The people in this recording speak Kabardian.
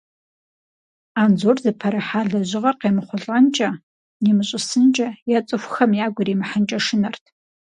Анзор зыпэрыхьа лэжьыгъэр къемыхъулӀэнкӀэ, нимыщӀысынкӀэ е цӀыхухэм ягу иримыхьынкӀэ шынэрт.